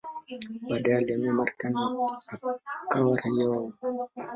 Baadaye alihamia Marekani akawa raia wa huko.